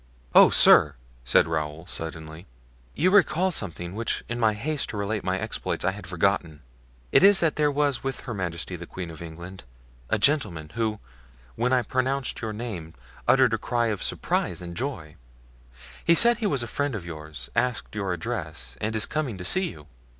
"Oh sir," said Raoul, suddenly, "you recall something, which, in my haste to relate my exploits, I had forgotten; it is that there was with Her Majesty the Queen of England, a gentleman who, when I pronounced your name, uttered a cry of surprise and joy; he said he was a friend of yours, asked your address, and is coming to see you."